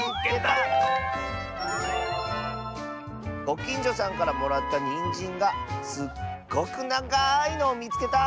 「ごきんじょさんからもらったにんじんがすっごくながいのをみつけた！」。